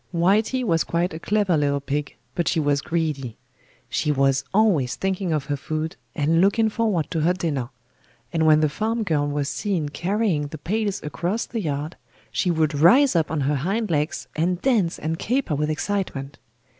Whitey was quite a clever little pig, but she was greedy. She was always thinking of her food, and looking forward to her dinner; and when the farm girl was seen carrying the pails across the yard, she would rise up on her hind legs and dance and caper with excitement.